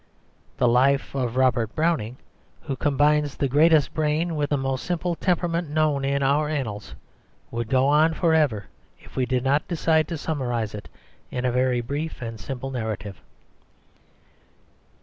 The life of Robert Browning, who combines the greatest brain with the most simple temperament known in our annals, would go on for ever if we did not decide to summarise it in a very brief and simple narrative.